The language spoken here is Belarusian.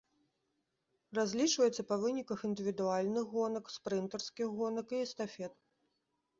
Разлічваецца па выніках індывідуальных гонак, спрынтарскіх гонак і эстафет.